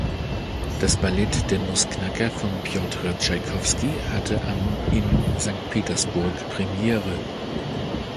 Das Ballett Der Nussknacker von Pjotr Tschaikowski hatte am in Sankt Petersburg Premiere.